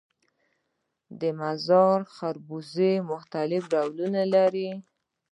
د مزار خربوزې مختلف ډولونه لري